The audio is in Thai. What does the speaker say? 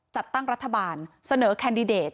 จัดตั้งรัฐบาลเสนอแคนดิเดต